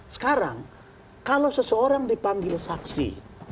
sekarang kalau seseorang dipanggil saksi